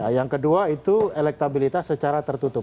yang kedua itu elektabilitas secara tertutup